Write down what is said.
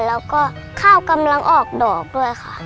แล้วก็ข้าวกำลังออกดอกด้วยค่ะ